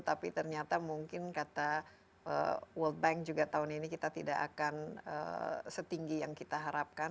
tapi ternyata mungkin kata world bank juga tahun ini kita tidak akan setinggi yang kita harapkan